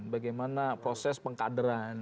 bagaimana proses pengkaderan